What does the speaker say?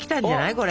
これ。